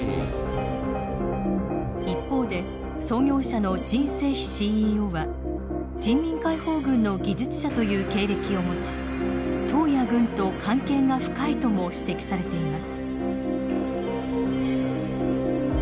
一方で創業者の任正非ＣＥＯは人民解放軍の技術者という経歴を持ち党や軍と関係が深いとも指摘されています。